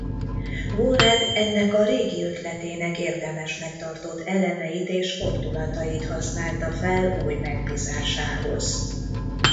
Warren ennek a régi ötletének érdemesnek tartott elemeit és fordulatait használta fel új megbízásához.